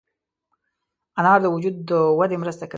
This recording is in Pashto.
انار د وجود د ودې مرسته کوي.